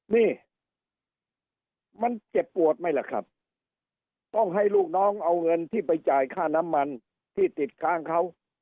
นี่มันเจ็บปวดไหมล่ะครับต้องให้ลูกน้องเอาเงินที่ไปจ่ายค่าน้ำมันที่ติดค้างเขา